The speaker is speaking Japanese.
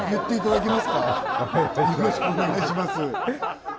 よろしくお願いします